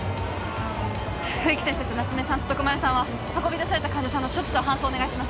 冬木先生と夏梅さんと徳丸さんは運び出された患者さんの処置と搬送をお願いします